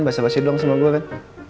bahasa basah doang sama gue kan